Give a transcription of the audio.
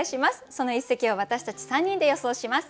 その一席を私たち３人で予想します。